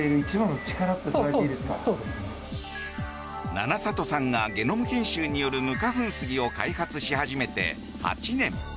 七里さんがゲノム編集による無花粉スギを開発し始めて８年。